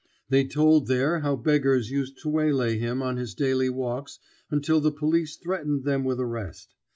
They told there how beggars used to waylay him on his daily walks until the police threatened them with arrest.